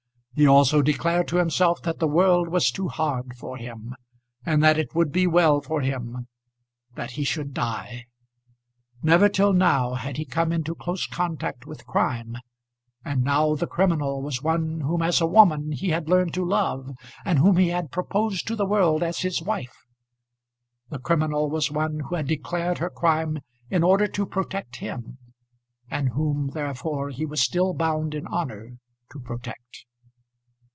He also declared to himself that the world was too hard for him, and that it would be well for him that he should die. Never till now had he come into close contact with crime, and now the criminal was one whom as a woman he had learned to love, and whom he had proposed to the world as his wife! The criminal was one who had declared her crime in order to protect him, and whom therefore he was still bound in honour to protect!